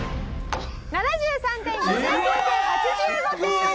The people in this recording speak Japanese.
７３点５９点８５点。